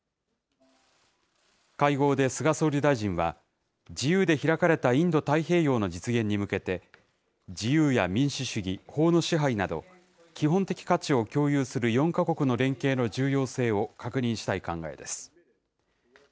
会合で菅総理大臣は、自由で開かれたインド太平洋の実現に向けて、自由や民主主義、法の支配など、基本的価値を共有する４か国の連携の重要性を確認したい考えです。